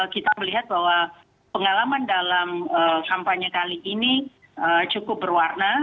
kita melihat bahwa pengalaman dalam kampanye kali ini cukup berwarna